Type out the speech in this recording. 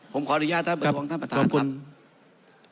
ผมขออนุญาตาบริกองท่านประธานครับ